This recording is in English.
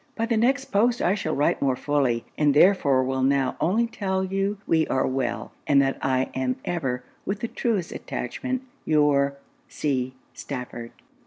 By the next post I shall write more fully, and therefore will now only tell you we are well, and that I am ever, with the truest attachment, your C. STAFFORD.'